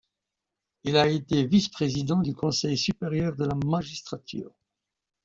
Il a été vice-président du Conseil supérieur de la magistrature.